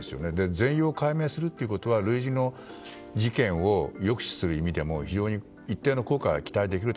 全容解明するということは類似の事件を抑止する意味でも非常に一定の効果が期待できると。